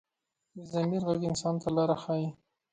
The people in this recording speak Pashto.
د ضمیر غږ انسان ته لاره ښيي